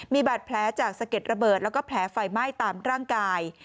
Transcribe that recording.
มีบาดแผลจากสะเก็ดระเบิดแล้วก็แผลไฟไหม้ตามร่างกาย